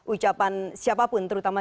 ucapan siapapun terutama